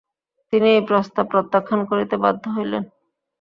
তিনি এই প্রস্তাব প্রত্যাখ্যান করিতে বাধ্য হইলেন।